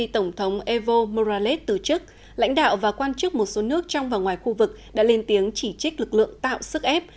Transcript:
tổng thống evo morales từ chức lãnh đạo và quan chức một số nước trong và ngoài khu vực đã lên tiếng chỉ trích lực lượng tạo sức ép